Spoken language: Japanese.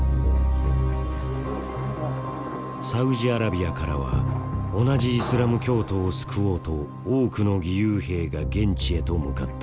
サウジアラビアからは同じイスラム教徒を救おうと多くの義勇兵が現地へと向かった。